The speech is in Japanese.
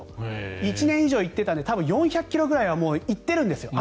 １年以上行っていたので多分４００ｋｍ以上は行っているんですよ。